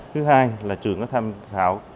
thứ hai là trường có tham khảo